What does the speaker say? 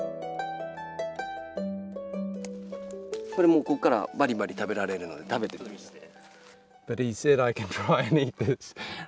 これもうここからバリバリ食べられるので食べてみて。